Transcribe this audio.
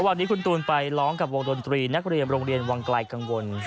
วันนี้คุณตูนไปร้องกับวงดนตรีนักเรียนโรงเรียนวังไกลกังวล